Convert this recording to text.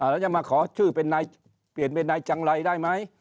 แล้วจะมาขอชื่อเป็นนายเปลี่ยนเป็นนายจังไรได้ไหม